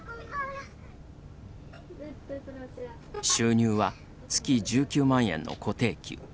収入は、月１９万円の固定給。